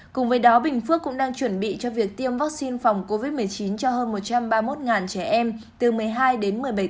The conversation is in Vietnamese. cùng với đó bình phước cũng đang chuẩn bị cho việc tiêm vaccine phòng covid một mươi chín